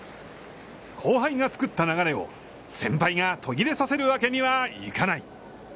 後輩が作った流れを先輩が途切れさせるわけにはいかない。